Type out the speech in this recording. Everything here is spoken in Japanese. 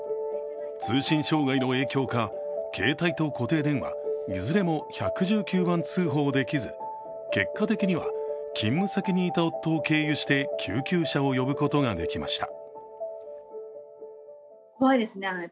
通信障害の影響か、携帯と固定電話いずれも１１９番通報できず、結果的には勤務先にいた夫を経由して救急車を呼ぶことができました。